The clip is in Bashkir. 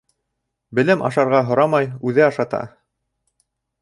Белем ашарға һорамай, үҙе ашата.